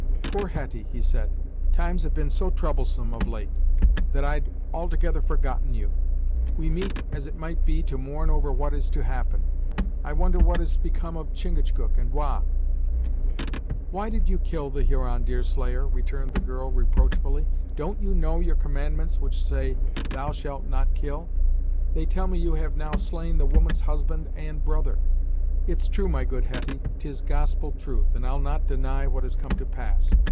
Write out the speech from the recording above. "Poor Hetty," he said, "times have been so troublesome, of late, that I'd altogether forgotten you; we meet, as it might be to mourn over what is to happen. I wonder what has become of Chingachgook and Wah!" "Why did you kill the Huron, Deerslayer? " returned the girl reproachfully. "Don't you know your commandments, which say 'Thou shalt not kill!' They tell me you have now slain the woman's husband and brother!" "It's true, my good Hetty 'tis gospel truth, and I'll not deny what has come to pass.